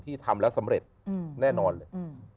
ทำแล้วสำเร็จแน่นอนเลย